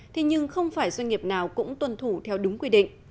thế nhưng không phải doanh nghiệp nào cũng tuân thủ theo đúng quy định